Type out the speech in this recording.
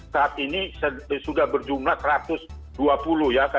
saat ini sudah berjumlah satu ratus dua puluh ya